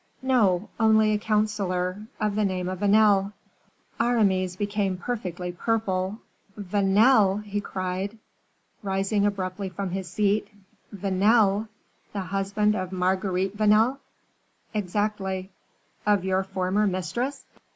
"No; only a counselor, of the name of Vanel." Aramis became perfectly purple. "Vanel!" he cried, rising abruptly from his seat; "Vanel! the husband of Marguerite Vanel?" "Exactly." "Of your former mistress?"